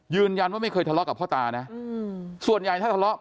ไม่เคยทะเลาะกับพ่อตานะส่วนใหญ่ถ้าทะเลาะ